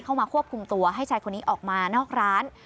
เข้ามาควบคุมตัวให้ชายคนนี้ออกมานอกร้าน